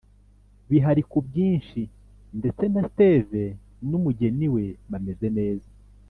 bihari kubwinshi ndetse na steve n’umugeni we bameze neza